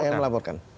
pak yan melaporkan